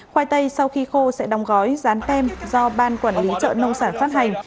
khoai tây sau khi khô sẽ đong gói dán kem do ban quản lý trợ nông sản phát hành